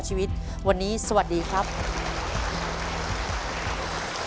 ขอให้คุณพระคุ้มครองและมีแต่สิ่งดีเข้ามาในครอบครัวนะครับ